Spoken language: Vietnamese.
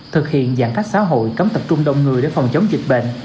thực hiện giãn cách xã hội cấm tập trung đông người để phòng chống dịch bệnh